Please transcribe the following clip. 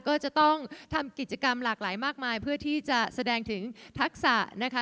ก็จะต้องทำกิจกรรมหลากหลายมากมายเพื่อที่จะแสดงถึงทักษะนะคะ